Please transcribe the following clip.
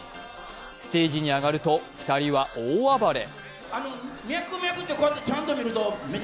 ステージに上がると２人は大暴れ。